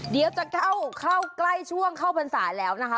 เดี๋ยวจะเข้าใกล้ช่วงเข้าพรรษาแล้วนะคะ